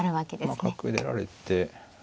まあ角出られて。